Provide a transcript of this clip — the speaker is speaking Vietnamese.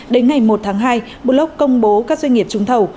đến ngày một tháng hai bulog công bố các doanh nghiệp trung thầu